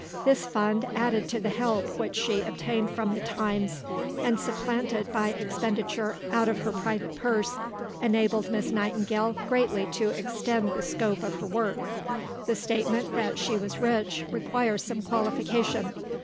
This fund, added to the help which she obtained from the Times, and supplemented by expenditure out of her private purse, enabled Miss Nightingale greatly to extend the scope of her work. The statement that she was rich requires some qualification.